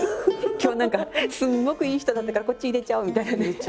「今日何かすごくいい人だったからこっち入れちゃおう」みたいなね。